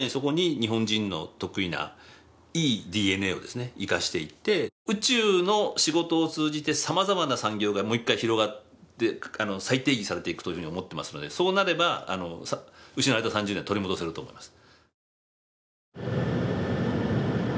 まさにそこに日本人の得意ないいＤＮＡを生かしていって、宇宙の仕事を通じてさまざまな産業がもう一回広がって、再定義されていくと思っていますので、そうなれば失われた３０年を取り戻せると思います。